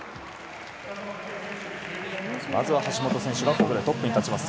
まずは橋本選手がトップに立ちます。